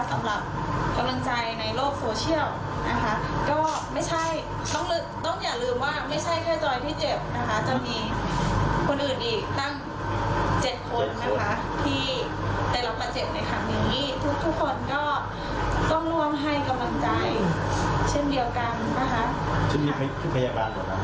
คุณพยาบาลหรอคุณเดียว